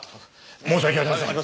申し訳ありません。